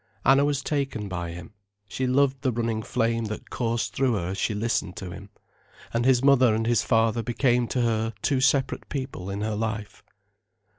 Anna was taken by him. She loved the running flame that coursed through her as she listened to him. And his mother and his father became to her two separate people in her life.